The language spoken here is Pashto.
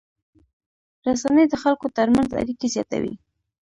رسنۍ د خلکو تر منځ اړیکې زیاتوي.